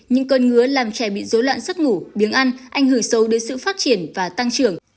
nhưng cơn ngứa làm trẻ bị dối loạn sức ngủ biếng ăn anh hử sâu đến sự phát triển và tăng trưởng